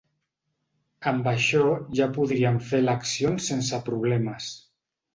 Amb això ja podríem fer eleccions sense problemes.